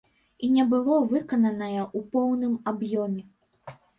І не было выкананае ў поўным аб'ёме.